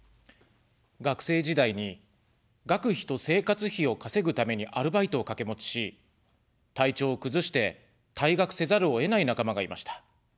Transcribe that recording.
学生時代に、学費と生活費を稼ぐためにアルバイトをかけ持ちし、体調を崩して、退学せざるを得ない仲間がいました。